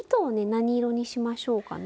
何色にしましょうかね。